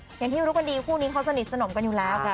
อย่างที่รู้กันดีคู่นี้เขาสนิทสนมกันอยู่แล้ว